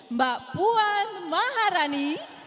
mbak puan maharani